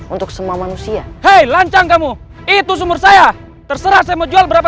untuk semua manusia hai lancar kamu itu sumur saya terserah saya menjual berapa